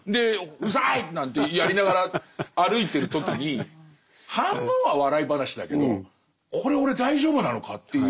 「うるさい！」なんてやりながら歩いてる時に半分は笑い話だけどこれ俺大丈夫なのかっていう。